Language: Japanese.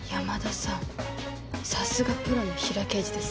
さすがプロのヒラ刑事ですね。